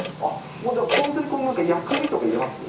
もうじゃあ、ポン酢に薬味とか入れます？